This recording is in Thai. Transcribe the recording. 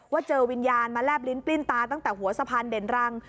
เจอวิญญาณมาแลบลิ้นปลิ้นตาตั้งแต่หัวสะพานเด่นรัง